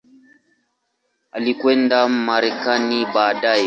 Alikwenda Marekani baadaye.